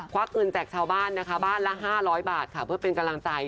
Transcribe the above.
วักเงินแจกชาวบ้านนะคะบ้านละ๕๐๐บาทค่ะเพื่อเป็นกำลังใจ